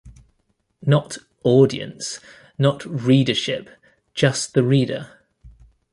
Not "audience." Not "readership." Just the reader.